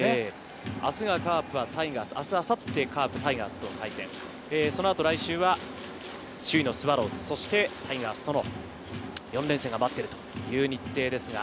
明日がカープはタイガース、明日明後日はタイガース、来週は首位のスワローズ、そしてタイガースとの４連戦が待っているという日程です。